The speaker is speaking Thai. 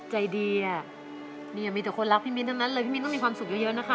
ใจดีอ่ะนี่มีแต่คนรักพี่มิ้นทั้งนั้นเลยพี่มิ้นต้องมีความสุขเยอะนะคะ